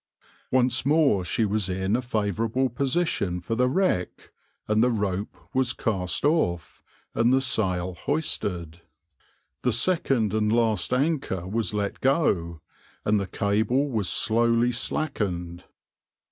Once more she was in a favourable position for the wreck, the rope was cast off, and the sail hoisted. The second and last anchor was let go, and the cable was slowly slackened.